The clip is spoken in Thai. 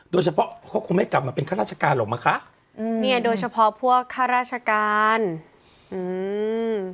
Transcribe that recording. โดยเฉพาะเขาคงไม่กลับมาเป็นข้าราชการหรอกมั้งคะอืมเนี้ยโดยเฉพาะพวกข้าราชการอืม